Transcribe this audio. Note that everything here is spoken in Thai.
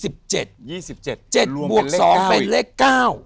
๗บวก๒เป็นเลข๙